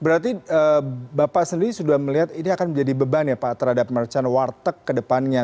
berarti bapak sendiri sudah melihat ini akan menjadi beban ya pak terhadap mercan warteg ke depannya